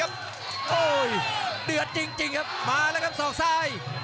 โอ้โหเดือดจริงครับมาแล้วครับศอกซ้าย